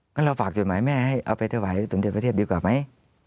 งั้นเราฝากจดหมายแม่ให้เอาไปถวายสมเด็จพระเทพดีกว่าไหม